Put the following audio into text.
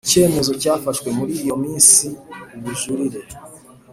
cyemezo cyafashwe muri iyo minsi ubujurire